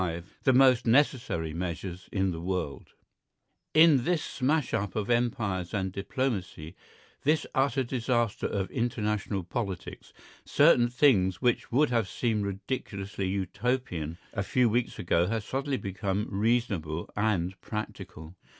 V THE MOST NECESSARY MEASURES IN THE WORLD In this smash up of empires and diplomacy, this utter disaster of international politics, certain things which would have seemed ridiculously Utopian a few weeks ago have suddenly become reasonable and practicable.